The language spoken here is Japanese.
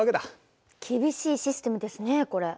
厳しいシステムですねこれ。